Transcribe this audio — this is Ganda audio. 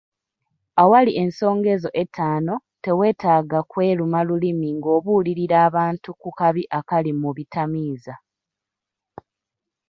Awali ensonga ezo ettaano, teweetaaga kweruma lulimi ng'obuulirira abantu ku kabi akali mu bitamiiza.